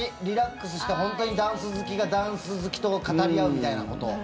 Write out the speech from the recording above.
リラックスして本当にダンス好きがダンス好きと語り合うみたいなこと。